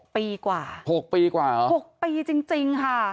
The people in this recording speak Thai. ปีกว่า๖ปีกว่าเหรอ๖ปีจริงค่ะ